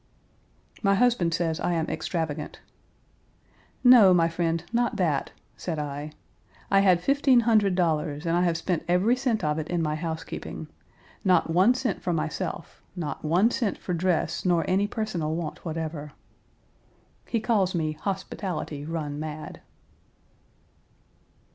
" My husband says I am extravagant. "No, my friend, not that," said I. "I had fifteen hundred dollars and I have spent every cent of it in my housekeeping. Not one cent for myself, not one cent for dress nor any personal want whatever." He calls me "hospitality run mad."